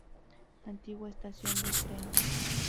Antigua estación de tren.